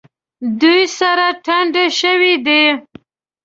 دوی سره ټنډه شوي دي.